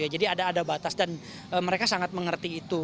jadi ada batas dan mereka sangat mengerti itu